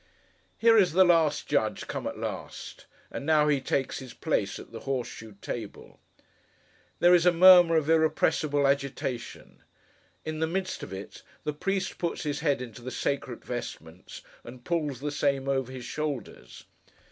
Here is the last judge come at last, and now he takes his place at the horse shoe table. There is a murmur of irrepressible agitation. In the midst of it, the priest puts his head into the sacred vestments, and pulls the same over his shoulders.